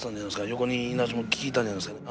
横にいなしも効いたんじゃないですか。